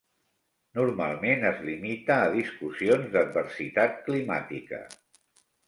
Normalment es limita a discussions d'adversitat climàtica.